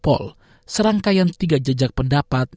ini adalah rangkaian tiga jejak pendapat